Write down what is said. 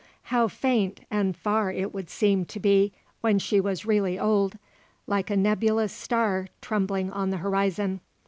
How faint and far it would seem to be when she was really old like a nebulous star trembling on the horizon.